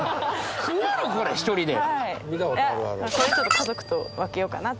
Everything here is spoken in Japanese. これちょっと家族と分けようかな。